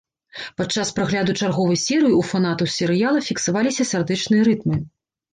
Падчас прагляду чарговай серыі ў фанатаў серыяла фіксаваліся сардэчныя рытмы.